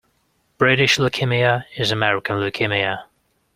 British leukaemia is American leukemia.